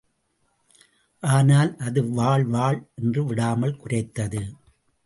ஆனால் அது வாள் வாள் என்று விடாமல் குரைத்தது.